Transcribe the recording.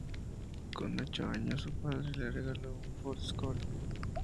Con ocho años su padre le regaló un Ford Escort.